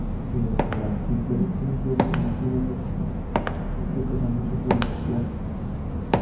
Las inflorescencias en cimas axilares, con pocas a muchas flores, laxas.